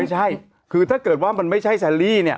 ไม่ใช่คือถ้าเกิดว่ามันไม่ใช่แซลลี่เนี่ย